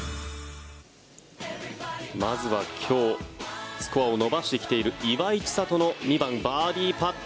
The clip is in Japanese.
まずは今日スコアを伸ばしてきている岩井千怜の２番、バーディーパット。